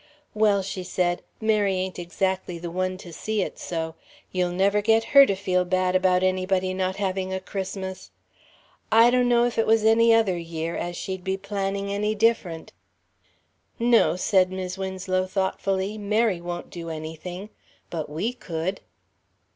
"Well," she said, "Mary ain't exactly the one to see it so. You'll never get her to feel bad about anybody not having a Christmas. I donno, if it was any other year, as she'd be planning any different." "No," said Mis' Winslow, thoughtfully, "Mary won't do anything. But we could."